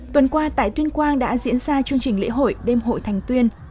tuần qua tại tuyên quang đã diễn ra chương trình lễ hội đêm hội thành tuyên